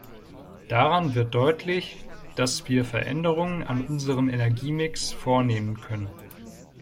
Daran wird deutlich, dass wir Veränderungen an unserem Energiemix vornehmen können.